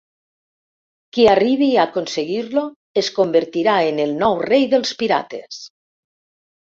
Qui arribi a aconseguir-lo es convertirà en el nou rei dels pirates.